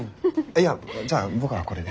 いやじゃあ僕はこれで。